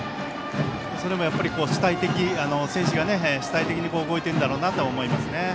それもやっぱり選手が主体的に動いているんだろうなと思います。